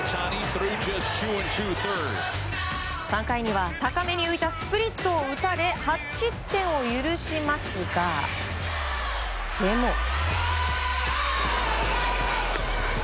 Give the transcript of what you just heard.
３回には高めに浮いたスプリットを打たれ初失点を許しますが、でも。